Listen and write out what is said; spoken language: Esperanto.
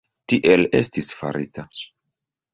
Tiel estis farita.